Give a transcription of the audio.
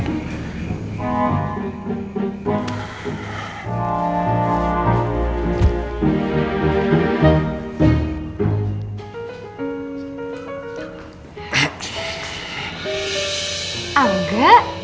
tidak ada yang bisa dihukum